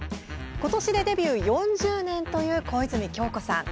ことしでデビュー４０年という小泉今日子さん。